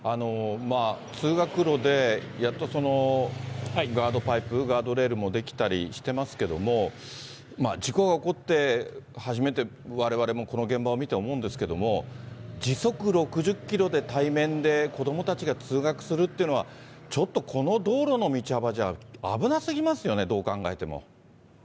通学路で、やっと、ガードパイプ、ガードレールも出来たりしていますけれども、事故が起こって初めて、われわれもこの現場を見て思うんですけれども、時速６０キロで対面で、子どもたちが通学するっていうのは、ちょっとこの道路の道幅じゃ危なすぎますよね、どう考えても。